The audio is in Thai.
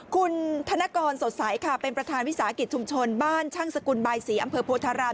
คุณธนกรสดใสค่ะเป็นประธานวิสาหกิจชุมชนบ้านช่างสกุลบายศรีอำเภอโพธาราม